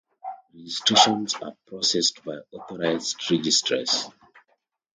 Registrations are processed via authorised registrars.